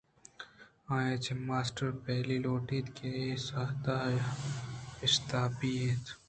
آئی ءَچہ ماسٹرءَ پہیلّی لوٹ اِت کہ آاے ساعت ءَاشتاپی اِنت